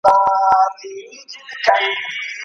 ما چي خیبر ته حماسې لیکلې